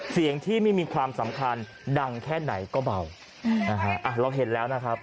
เสียงที่ไม่มีความสำคัญดังแค่ไหนก็เบานะฮะอ่ะเราเห็นแล้วนะครับ